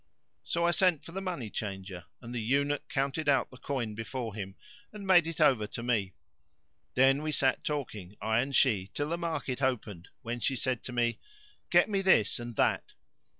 So I sent for the money changer and the eunuch counted out the coin before him and made it over to me. Then we sat talking, I and she, till the market opened, when she said to me, "Get me this and that."